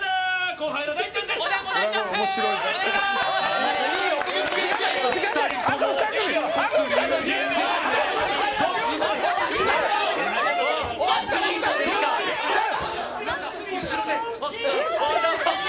後輩の大ちゃんです！